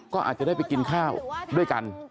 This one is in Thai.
ก็อาจจะได้ไปกินข้าวด้วยกัน